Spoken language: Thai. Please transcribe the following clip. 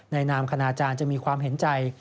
นามคณาจารย์จะมีความเห็นใจ